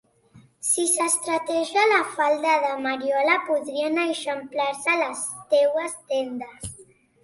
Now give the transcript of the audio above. Si t'estreteja la falda de Mariola, podrien eixamplar-se les teues tendes.